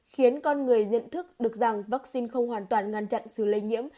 khiến con người nhận thức được rằng vaccine không hoàn toàn ngăn chặn sự lây nhiễm